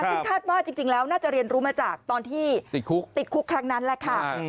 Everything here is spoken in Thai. ซึ่งคาดว่าจริงแล้วน่าจะเรียนรู้มาจากตอนที่ติดคุกครั้งนั้นแหละค่ะ